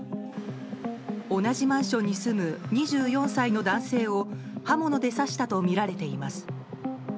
同じマンションに住む２４歳の男性を刃物で刺したとみられています。